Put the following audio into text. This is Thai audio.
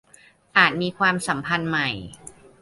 อาจมีความสัมพันธ์ใหม่